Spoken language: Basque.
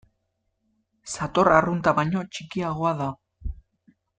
Sator arrunta baino txikiagoa da.